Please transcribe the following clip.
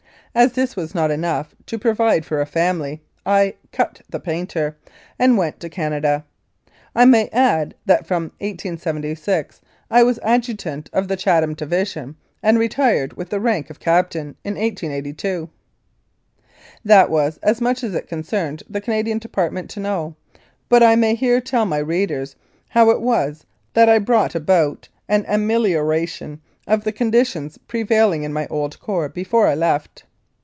As this was not enough to provide for a family, I u cut the painter" and went to Canada. I may add that from 1876 I was adjutant of the Chatham Division, and retired with the rank of captain in 1882. That was as much as it concerned the Canadian Department to know, but I may here tell my readers how it was that I brought about an amelioration of the conditions prevailing in my old corps before I left.